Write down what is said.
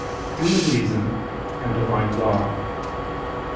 human reason and Divine Law.